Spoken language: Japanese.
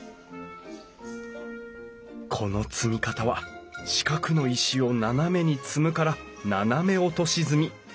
この積み方は四角の石を斜めに積むから斜め落とし積み。